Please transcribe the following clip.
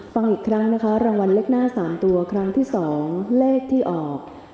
ฟังอีกครั้งนะคะรางวัลเลขหน้า๓ตัวครั้งที่๒เลขที่ออก